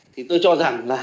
thì tôi cho rằng là